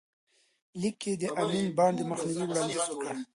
لیک کې یې د امین بانډ د مخنیوي وړاندیز وکړ.